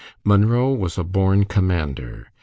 Munro was a born commander.